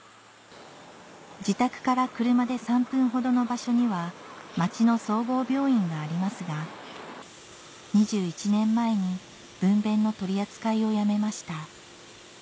自宅から車で３分ほどの場所には町の総合病院がありますが２１年前に分娩の取り扱いをやめました